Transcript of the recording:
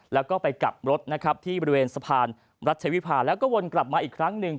แล้วก็ไปกลับรถนะครับที่บริเวณสะพานรัชวิพาแล้วก็วนกลับมาอีกครั้งหนึ่ง